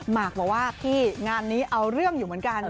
หมากบอกว่าพี่งานนี้เอาเรื่องอยู่เหมือนกัน